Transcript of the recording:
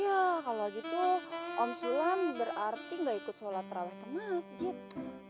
ya kalo gitu om sulam berarti gak ikut sholat raweh ke masjid